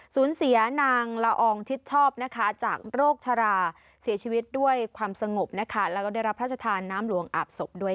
สูญเสียนางละอองชิดชอบนะคะจากโรคชราเสียชีวิตด้วยความสงบนะคะแล้วก็ได้รับพระราชทานน้ำหลวงอาบศพด้วย